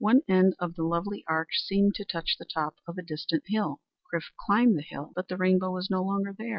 One end of the lovely arch seemed to touch the top of a distant hill. Chrif climbed the hill, but the rainbow was no longer there.